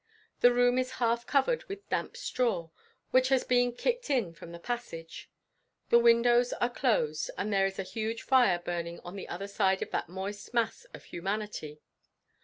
The room is half covered with damp straw, which has been kicked in from the passage; the windows are closed, and there is a huge fire burning on the other side of that moist mass of humanity.